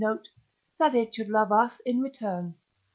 note), that it should love us in return.